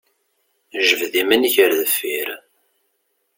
Jbed iman-ik ar deffir!